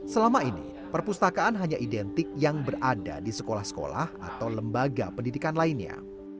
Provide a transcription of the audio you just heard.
selama ini perpustakaan hanya identik yang berada di sekolah sekolah atau lembaga pendidikan lainnya